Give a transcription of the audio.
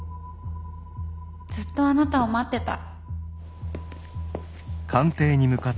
ずっとあなたを待ってた。